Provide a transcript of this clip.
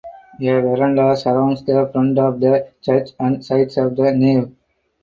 A veranda surrounds the front of the church and sides of the nave.